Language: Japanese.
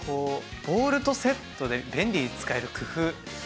ボウルとセットで便利に使える工夫。